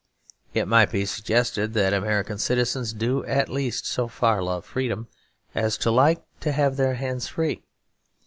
It might be suggested that American citizens do at least so far love freedom as to like to have their hands free.